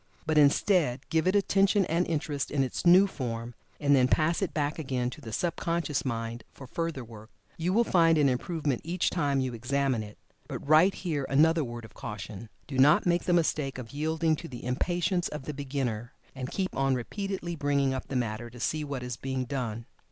But, instead, give it attention and interest in its new form, and then pass it back again to the sub conscious mind for further work. You will find an improvement each time you examine it. But, right here another word of caution. Do not make the mistake of yielding to the impatience of the beginner, and keep on repeatedly bringing up the matter to see what is being done.